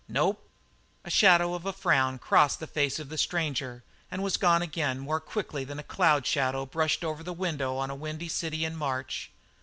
"Nope." A shadow of a frown crossed the face of the stranger and was gone again more quickly than a cloud shadow brushed over the window on a windy city in March.